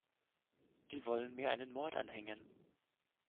Die wollen mir einen Mord anhängen.